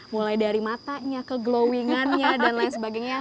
mulai dari matanya ke glowing annya dan lain sebagainya